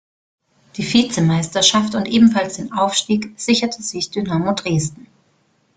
Die Vizemeisterschaft und ebenfalls den Aufstieg sicherte sich Dynamo Dresden.